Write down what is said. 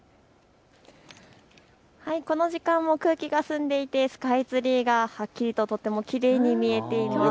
この時間も空気が澄んでいてスカイツリーがはっきりととってもきれいに見えています。